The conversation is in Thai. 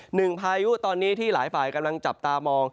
พายุตอนนี้ที่หลายฝ่ายกำลังจับตามอง